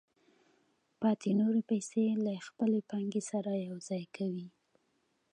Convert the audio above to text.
پاتې نورې پیسې له خپلې پانګې سره یوځای کوي